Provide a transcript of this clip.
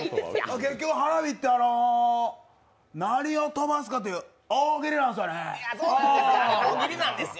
結局、花火って何を飛ばすかっていう大喜利なんだよね。